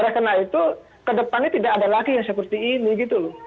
nah karena itu ke depannya tidak ada lagi yang seperti ini